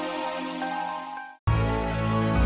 aku juga senang membantumu